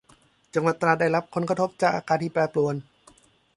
จังหวัดตราดได้รับผลกระทบจากอากาศที่แปรปรวน